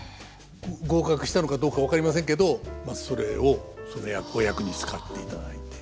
合格したのかどうか分かりませんけどそれをそのお役に使っていただいて。